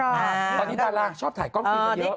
ตอนนี้ดาราชอบถ่ายกล้องฟิลกันเยอะ